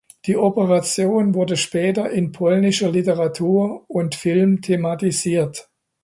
Die Operation wurde später in polnischer Literatur und Film thematisiert.